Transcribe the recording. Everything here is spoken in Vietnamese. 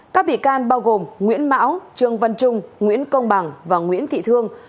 các bị can bao gồm nguyễn mão trương văn trung nguyễn công bằng và nguyễn thị thương